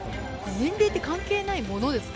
年齢って関係ないものですか？